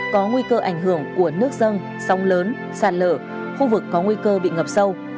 có nguy cơ ảnh hưởng của nước dâng sông lớn sạt lở khu vực có nguy cơ bị ngập sâu